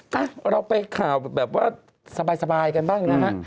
อ่ะเราไปข่าวแบบว่าสบายกันบ้างนะฮะ